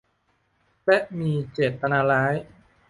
และมีเจตนาร้าย